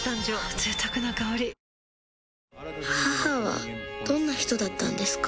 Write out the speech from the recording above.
贅沢な香り母はどんな人だったんですか？